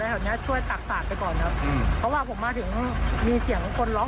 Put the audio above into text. แถวเนี้ยช่วยตักสาดไปก่อนครับอืมเพราะว่าผมมาถึงมีเสียงคนร้อง